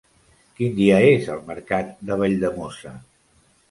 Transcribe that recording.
Quin dia és el mercat de Valldemossa?